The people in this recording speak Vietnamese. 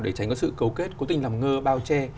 để tránh có sự cấu kết cố tình làm ngơ bao che